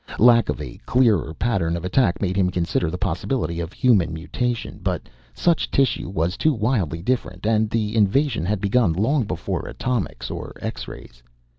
Lack of a clearer pattern of attack made him consider the possibility of human mutation, but such tissue was too wildly different, and the invasion had begun long before atomics or X rays.